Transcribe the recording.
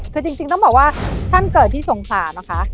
คือจริงต้องบอกว่าท่านเกิดที่สงสารนะคะ